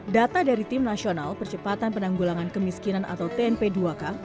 data dari tim nasional percepatan penanggulangan kemiskinan atau tnp dua k